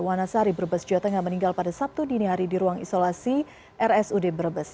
wanasari brebes jawa tengah meninggal pada sabtu dini hari di ruang isolasi rsud brebes